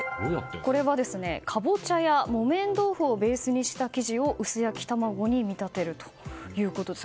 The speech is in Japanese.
これはカボチャや木綿豆腐をベースにした生地を薄焼き卵に見立てるということです。